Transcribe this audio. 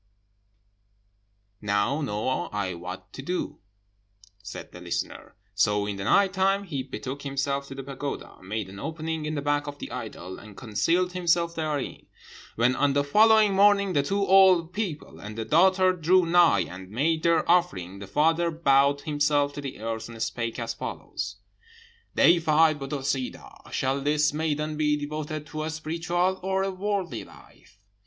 "'Now know I what to do,' said the listener; so in the night time he betook himself to the pagoda, made an opening in the back of the idol, and concealed himself therein. When on the following morning the two old people and the daughter drew nigh and made their offering, the father bowed himself to the earth and spake as follows: "'Deified Bodissadoh! shall this maiden be devoted to a spiritual or worldly life?